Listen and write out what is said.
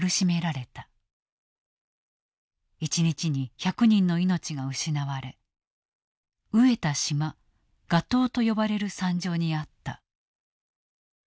一日に１００人の命が失われ餓えた島餓島と呼ばれる惨状にあった。